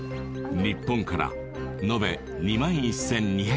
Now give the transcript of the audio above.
日本から延べ２１，２８０ｋｍ